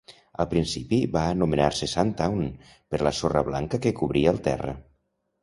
Al principi, va anomenar-se Sandtown per la sorra blanca que cobria el terra.